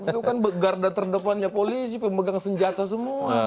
itu kan garda terdepannya polisi pemegang senjata semua